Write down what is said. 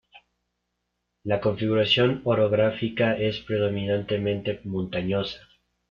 La configuración orográfica es predominantemente montañosa.